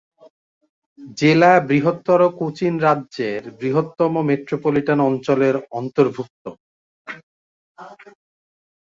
জেলা বৃহত্তর কোচিন রাজ্যের বৃহত্তম মেট্রোপলিটন অঞ্চলের অন্তর্ভুক্ত।